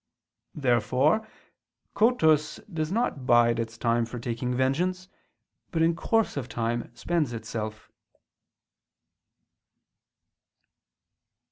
Therefore kotos does not bide its time for taking vengeance, but in course of time spends itself.